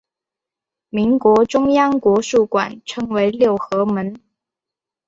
民国中央国术馆称为六合门。